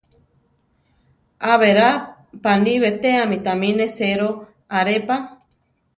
Á berá paní betéame tami nesero aré pa.